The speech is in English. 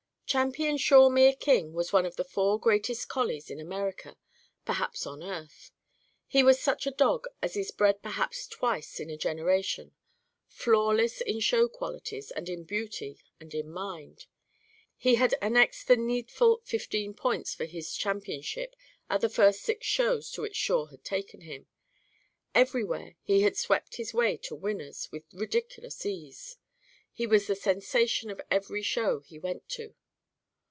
Champion Shawemere King was one of the four greatest collies in America perhaps on earth. He was such a dog as is bred perhaps twice in a generation flawless in show qualities and in beauty and in mind. He had annexed the needful "fifteen points" for his championship at the first six shows to which Shawe had taken him. Everywhere, he had swept his way to "Winners" with ridiculous ease. He was the sensation of every show he went to.